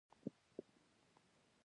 موټر د انسان ښه وسایل دی.